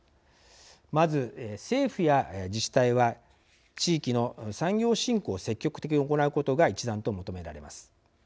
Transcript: まず、政府や自治体は地域の産業振興を積極的に行うことが一段と求められます。